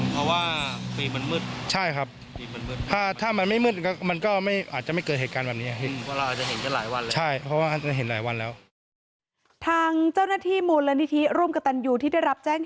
เพราะว่าปีมันมืดปีมันมืดใช่ครับ